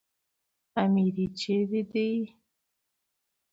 اميري چيري دئ؟